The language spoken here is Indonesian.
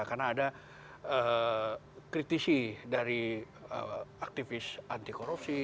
karena ada kritisi dari aktivis anti korupsi